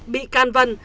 bị can vân